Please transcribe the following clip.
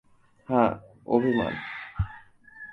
হাঁ, অভিমান।